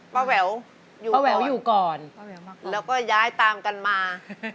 ป้าแหววอยู่ก่อนแล้วก็ย้ายตามกันมา